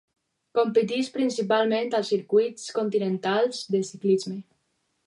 Competeix principalment als circuits continentals de ciclisme.